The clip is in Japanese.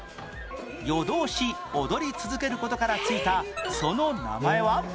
夜通し踊り続ける事からついたその名前は？